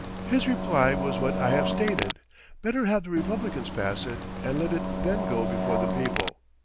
His reply was what I have stated better have the Republicans pass it and let it then go before the people.